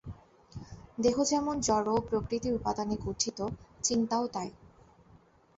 দেহ যেমন জড় ও প্রকৃতির উপাদানে গঠিত, চিন্তাও তাই।